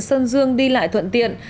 và giúp đỡ các người dân